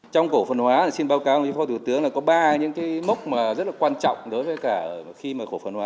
trong cổ phần hóa xin báo cáo cho phó thủ tướng là có ba mốc rất quan trọng đối với cổ phần hóa